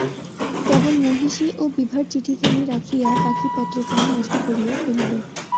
কেবল মহিষী ও বিভার চিঠিখানি রাখিয়া বাকি পত্রখানি নষ্ট করিয়া ফেলিল।